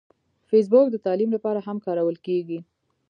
فېسبوک د تعلیم لپاره هم کارول کېږي